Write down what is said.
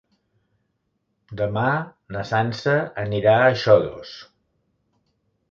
Demà na Sança anirà a Xodos.